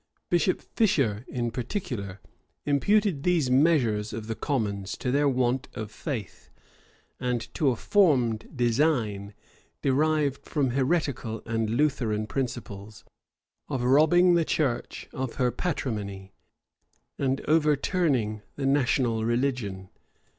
Bishop Fisher, in particular, imputed these measures of the commons to their want of faith; and to a formed design, derived from heretical and Lutheran principles, of robbing the church of her patrimony, and over turning the national religion.